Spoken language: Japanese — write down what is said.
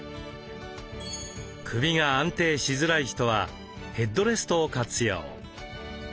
首が安定しづらい人はヘッドレストを活用。